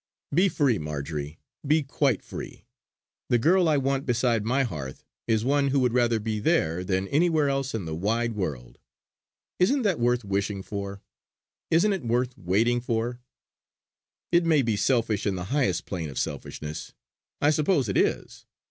Be free, Marjory, be quite free! The girl I want beside my hearth is one who would rather be there than anywhere else in the wide world. Isn't that worth wishing for; isn't it worth waiting for? It may be selfish in the highest plane of selfishness; I suppose it is.